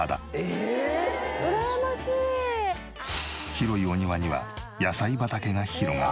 広いお庭には野菜畑が広がる。